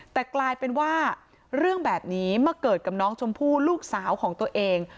แต่กลายเป็นว่าเรื่องแบบนี้มาเกิดกับน้องชมพู่ลูกสาวของตัวเอง